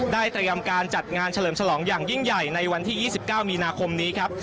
เตรียมการจัดงานเฉลิมฉลองอย่างยิ่งใหญ่ในวันที่๒๙มีนาคมนี้ครับ